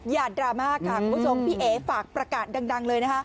ดราม่าค่ะคุณผู้ชมพี่เอ๋ฝากประกาศดังเลยนะคะ